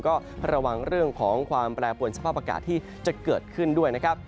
ก็ระวังเรื่องของความแปรปวนสภาพอากาศที่จะเกิดขึ้นด้วยนะครับ